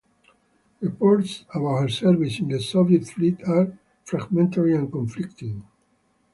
Reports about her service in the Soviet fleet are fragmentary and conflicting.